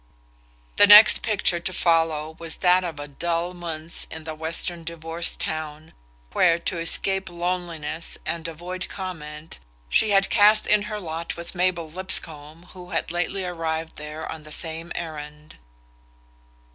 The next picture to follow was that of the dull months in the western divorce town, where, to escape loneliness and avoid comment, she had cast in her lot with Mabel Lipscomb, who had lately arrived there on the same errand.